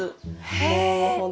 へえ！